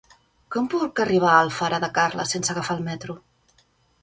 Com puc arribar a Alfara de Carles sense agafar el metro?